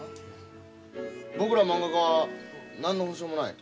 僕らまんが家は何の保障もない。